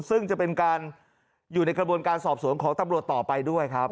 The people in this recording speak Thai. ซึ่งจะเป็นการอยู่ในกระบวนการสอบสวนของตำรวจต่อไปด้วยครับ